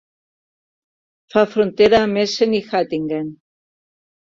Fa frontera amb Essen i Hattingen.